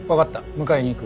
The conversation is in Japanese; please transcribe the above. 迎えに行く。